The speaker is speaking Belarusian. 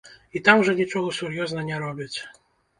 І там жа нічога сур'ёзна не робяць.